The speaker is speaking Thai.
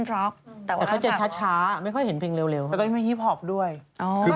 รูปนี้เนอะ